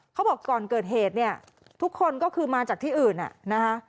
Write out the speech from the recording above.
เขาบอกก่อนเกิดเหตุเนี่ยทุกคนก็คือมาจากที่อื่นนะคะ